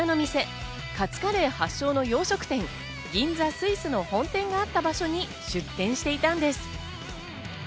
実はこちらの店、カツカレー発祥の洋食・銀座スイスの本店があった場所に出店していたんです。